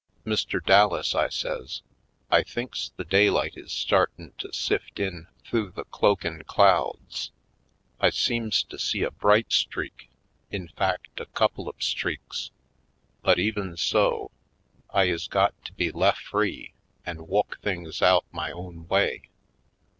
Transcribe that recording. "Mr. Dallas," I says, "I thinks the day light is startin' to sift in th'ough the cloak in' clouds. I seems to see a bright streak, in fact a couple of streaks. But, even so, I is got to be lef ' free to wu'k things out my own way.